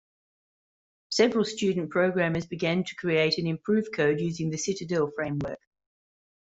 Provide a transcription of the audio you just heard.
Several student programmers began to create an improved code using the Citadel framework.